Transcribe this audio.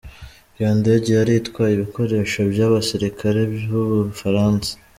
Iyo ndege yari itwaye ibikoresho vy'abasirikare b'Ubufaransa.